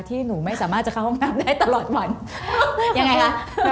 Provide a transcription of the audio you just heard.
หนูไม่สามารถจะเข้าห้องน้ำได้ตลอดวันยังไงคะ